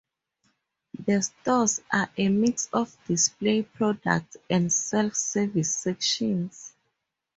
The stores are a mix of display products and self-service sections.